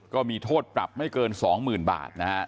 ก็มีโทษปรับไม่เกินสองหมื่นบาทนะฮะ